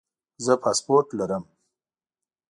زه پاسپورټ لرم